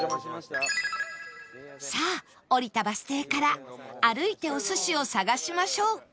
さあ降りたバス停から歩いてお寿司を探しましょう